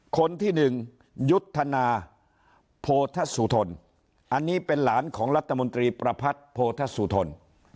คนที่๑ยุฒนาโพธัสุทลอันนี้เป็นหลานครัฐมนตรีประพัทธ์โพธัสสุทล